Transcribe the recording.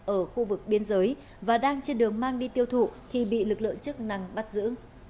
ở khu vực biên giới và đang trên đường mang đi tiêu thụ thì bị lực lượng chức năng bắt giữ